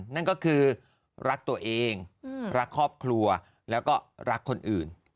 นั่นก็คือรักตัวเองรักครอบครัวแล้วก็รักคนอื่น